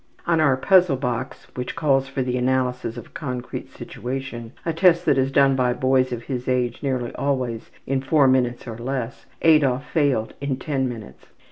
On our ``Puzzle Box,'' which calls for the analysis of a concrete situation, a test that is done by boys of his age nearly always in four minutes or less, Adolf failed in ten minutes.